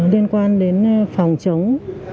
liên quan đến phòng chống